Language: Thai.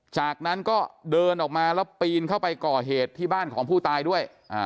จากนั้นก็เดินออกมาแล้วปีนเข้าไปก่อเหตุที่บ้านของผู้ตายด้วย